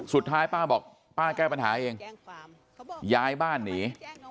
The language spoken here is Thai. สุดท้ายป้าบอกป้าแก้ปัญหาเองย้ายบ้านหนี